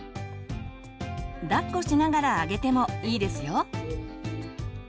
抱っこしながらあげてもいいですよ。